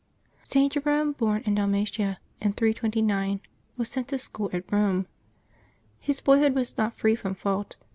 jT. Jerome, born in Dalmatia, in 329, was sent to school at Eome. His boyhood was not free from fault.